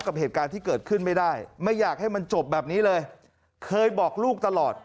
กับเหตุการณ์ที่เกิดขึ้นไม่ได้ไม่อยากให้มันจบแบบนี้เลยเคยบอกลูกตลอด